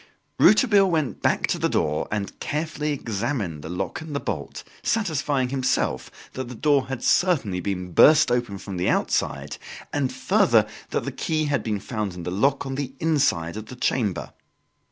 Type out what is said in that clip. Rouletabille went back to the door and carefully examined the lock and the bolt, satisfying himself that the door had certainly been burst open from the outside, and, further, that the key had been found in the lock on the inside of the chamber.